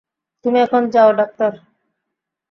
তুমি এখন যাও ড়াক্তার।